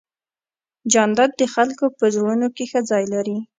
جانداد د خلکو په زړونو کې ښه ځای لري.